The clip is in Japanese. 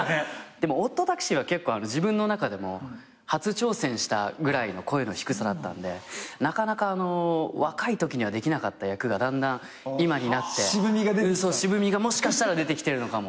でも『ＯＤＤＴＡＸＩ』は結構自分の中でも初挑戦したぐらいの声の低さだったんでなかなか若いときにはできなかった役がだんだん今になって渋みがもしかしたら出てきてるのかも。